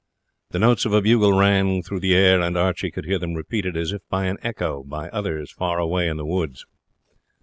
The notes of a bugle rang through the air, and Archie could hear them repeated as by an echo by others far away in the woods.